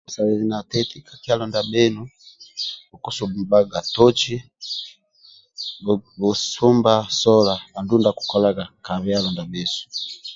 Masanyalazi nateti ka kyalo ndia bhenu bhukusumbaga toci bhusumba sola andulu ndia akikolaga ka byalo ndia bhesu